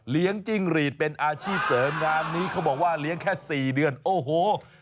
จิ้งหรีดเป็นอาชีพเสริมงานนี้เขาบอกว่าเลี้ยงแค่๔เดือนโอ้โห